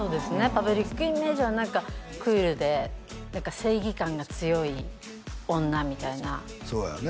パブリックイメージは何かクールで何か正義感が強い女みたいなそうやね